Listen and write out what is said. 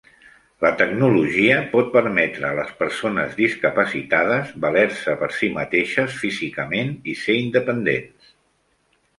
La tecnologia pot permetre a les persones discapacitades valer-se per si mateixes físicament i ser independents.